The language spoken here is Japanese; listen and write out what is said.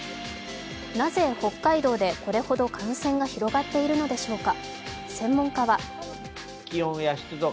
なぜ北海道でこれほど感染が広がっているのでしょうか。